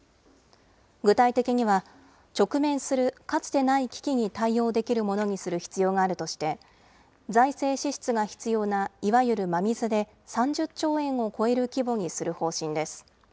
具体的には、直面するかつてない危機に対応できるものにする必要があるとして、財政支出が必要ないわゆる真水で、３０兆円を超える規模にする方針です。